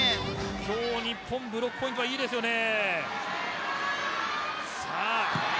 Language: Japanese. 今日、日本ブロックポイントいいですよね。